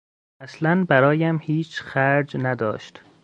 اصلا برایم هیچ خرج نداشت.